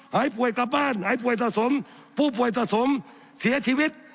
หายป่วยกลับบ้านหายป่วยสะสมผู้ป่วยสะสมเสียชีวิต